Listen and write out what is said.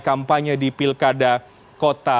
kampanye di pilkada kota